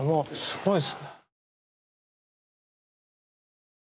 すごいですね。